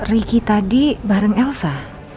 ricky tadi bareng elsa